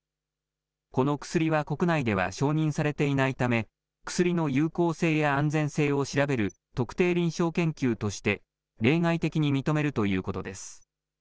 この薬は、国内では承認されていないため薬の有効性や安全性を調べる特定臨床研究として例外的に認めるということです。